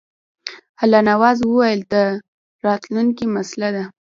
الله نواز وویل دا د راتلونکي مسله ده.